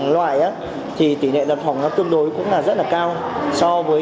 tình trạng đặt phòng tương tự